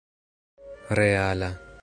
reala